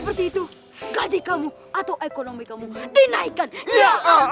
apakah kamu siap untuk berkala